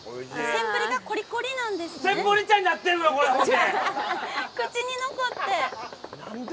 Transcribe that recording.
センブリ茶になってるのよほんで！